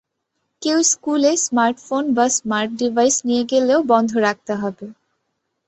কেউ স্কুলে স্মার্টফোন বা স্মার্ট ডিভাইস নিয়ে গেলেও বন্ধ রাখতে হবে।